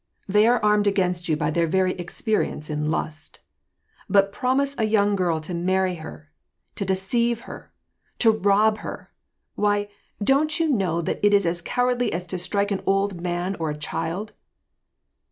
They are armed against you WAR AND PEACE, 385 by their very experience in lust ; but to promise a young girl to marry her — to deceive her — to rob her — why, don't you know that it is as cowardly as to strike an old man or a child